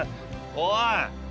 おい！